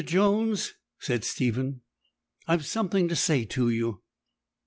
Jones,' said Stephen, 'I've something to say to you.'